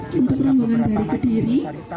kita berjaya berjaya berdiri